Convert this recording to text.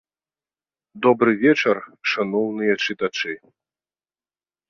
Добры вечар, шаноўныя чытачы!